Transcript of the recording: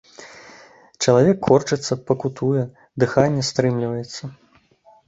Чалавек корчыцца, пакутуе, дыханне стрымліваецца.